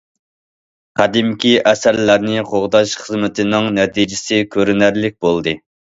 قەدىمكى ئەسەرلەرنى قوغداش خىزمىتىنىڭ نەتىجىسى كۆرۈنەرلىك بولدى.